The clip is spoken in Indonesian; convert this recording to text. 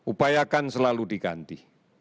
upayakan selalu diganti